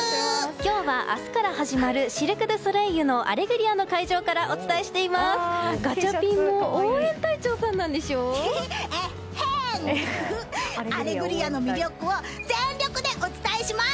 今日は明日から始まるシルク・ドゥ・ソレイユの「アレグリア」の会場からお伝えしています。